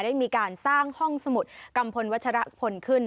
ได้มีการสร้างห้องสมุดกัมพลวัชรพลขึ้น